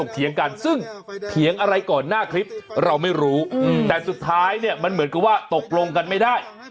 เถียงกันซึ่งเถียงอะไรก่อนหน้าคลิปเราไม่รู้แต่สุดท้ายเนี่ยมันเหมือนกับว่าตกลงกันไม่ได้